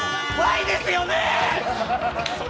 Ｙですよね！